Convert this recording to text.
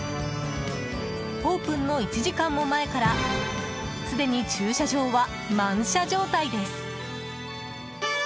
オープンの１時間も前からすでに駐車場は、満車状態です。